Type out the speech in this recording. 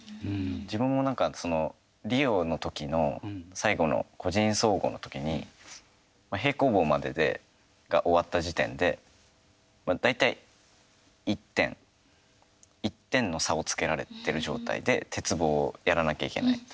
自分もなんかそのリオのときの最後の個人総合のときに平行棒までが終わった時点で大体１点の差をつけられてる状態で鉄棒をやらなきゃいけない。